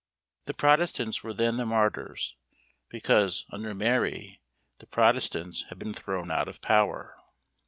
The protestants were then the martyrs, because, under Mary, the protestants had been thrown out of power.